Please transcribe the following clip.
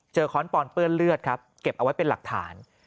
ค้อนปอนเปื้อนเลือดครับเก็บเอาไว้เป็นหลักฐาน